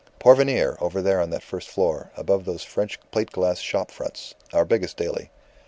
"Porvenir, over there on that first floor, above those French plate glass shop fronts; our biggest daily.